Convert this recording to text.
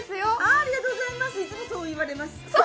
ありがとうございます、いつもそう言われますよ。